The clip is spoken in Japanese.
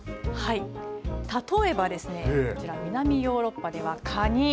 例えばですねこちら南ヨーロッパでは、かに。